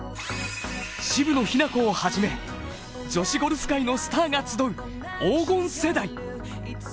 渋野日向子をはじめ女子ゴルフ界のスターが集う黄金世代。